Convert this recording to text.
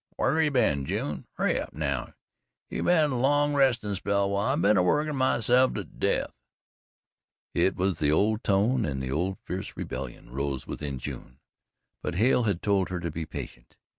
"Whar you been, June? Hurry up, now. You've had a long restin' spell while I've been a workin' myself to death." It was the old tone, and the old fierce rebellion rose within June, but Hale had told her to be patient.